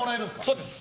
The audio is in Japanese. そうです。